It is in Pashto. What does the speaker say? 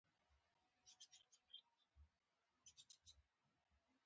سهار د ساده خوښیو موسم دی.